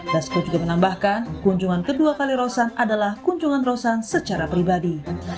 dasko juga menambahkan kunjungan kedua kali rosan adalah kunjungan rosan secara pribadi